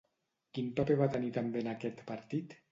Quin paper va tenir també en aquest partit?